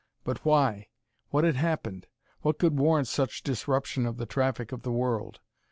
But why? What had happened? What could warrant such disruption of the traffic of the world?